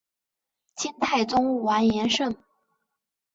金太宗完颜晟。